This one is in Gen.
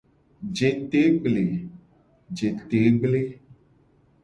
Jete gble.